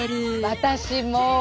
私も。